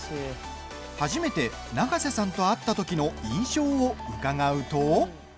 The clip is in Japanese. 初めて永瀬さんと会ったときの印象を伺うと。